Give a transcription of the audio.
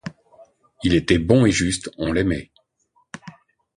Il était bon et juste, on l'aimait.